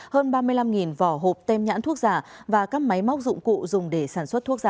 hơn ba mươi năm vỏ hộp tem nhãn thuốc giả và các máy móc dụng cụ dùng để sản xuất thuốc giả